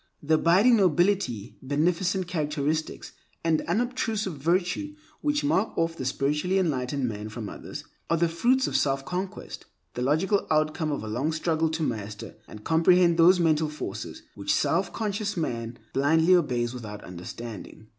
The abiding nobility, beneficent characteristics, and unobtrusive virtue which mark off the spiritually enlightened man from others, are the fruits of self conquest, the logical outcome of a long struggle to master and comprehend those mental forces which the self conscious man blindly obeys without understanding.